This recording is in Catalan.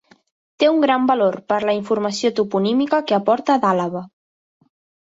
Té un gran valor per la informació toponímica que aporta d'Àlaba.